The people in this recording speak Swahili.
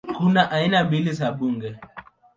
Kuna aina mbili za bunge